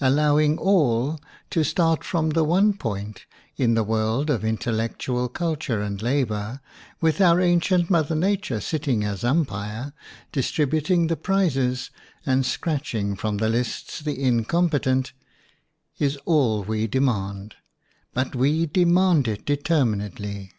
Allow ing all to start from the one point in the world of intellectual culture and labor, with our ancient Mother Nature sitting as umpire, distributing the prizes and scratching from the lists the incompetent, is all we demand, but we demand it determinedly.